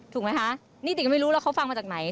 ถูกไหมคะนิติก็ไม่รู้แล้วเขาฟังมาจากไหน